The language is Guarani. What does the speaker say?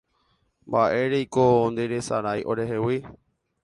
Mba'éreiko nderesarái orehegui